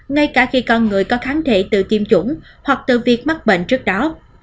ngay cả khi con người có kháng thể tự tiêm chủng hoặc từ việc mắc bệnh trước đó